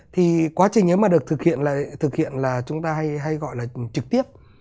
thì quá trình nếu mà được thực hiện là chúng ta hay gọi là trực tiếp